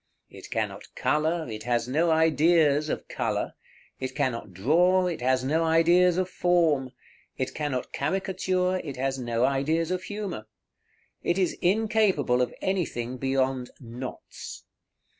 It cannot color, it has no ideas of color; it cannot draw, it has no ideas of form; it cannot caricature, it has no ideas of humor. It is incapable of anything beyond knots.